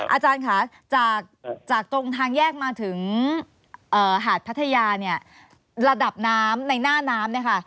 อาจารย์จากตรงทางแยกมาถึงหาดพัทยาระดับน้ำในหน้าน้ำ